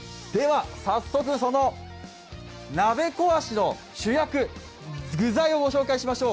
早速、その鍋壊しの主役、具材をご紹介しましょう。